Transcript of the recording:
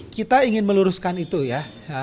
kita ingin meluruskan itu ya